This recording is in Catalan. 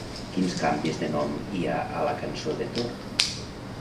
Quins canvis de nom hi ha a la Cançó de Thor?